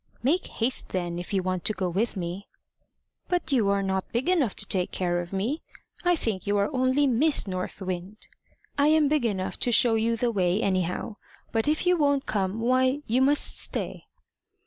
"Make haste, then, if you want to go with me." "But you are not big enough to take care of me. I think you are only Miss North Wind." "I am big enough to show you the way, anyhow. But if you won't come, why, you must stay."